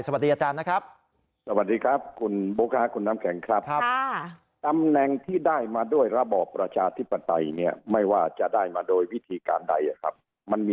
สวัสดีอาจารย์นะครับ